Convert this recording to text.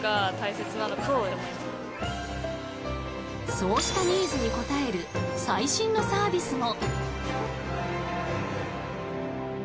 そうしたニーズに応える最新のサービスも。